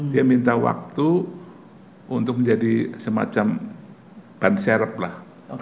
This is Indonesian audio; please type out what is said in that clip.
dia minta waktu untuk menjadi semacam bansyerep lah